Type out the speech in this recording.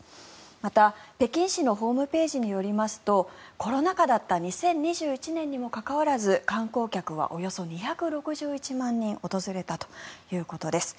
また、北京市のホームページによりますとコロナ禍だった２０２１年にもかかわらず観光客はおよそ２６１万人訪れたということです。